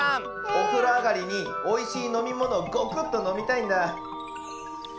おふろあがりにおいしいのみものをゴクッとのみたいんだ。